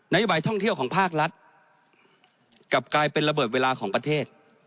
โยบายท่องเที่ยวของภาครัฐกลับกลายเป็นระเบิดเวลาของประเทศ